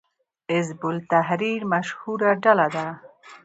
حزب التحریر مشهوره ډله ده